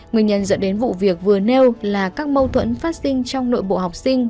nguyên nhân dẫn đến vụ việc vừa nêu là các mâu thuẫn phát sinh trong nội bộ học sinh